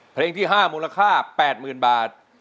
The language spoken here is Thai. เพลงที่๕มูลค่า๘๐๐๐บาท